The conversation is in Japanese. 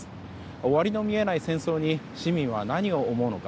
終わりの見えない戦争に市民は何を思うのか。